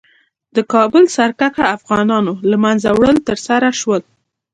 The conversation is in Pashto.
د کابل سرکښه افغانانو له منځه وړل ترسره شول.